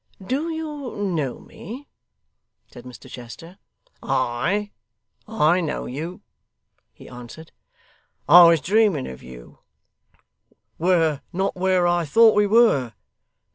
'Do you know me?' said Mr Chester. 'Ay, I know you,' he answered. 'I was dreaming of you we're not where I thought we were.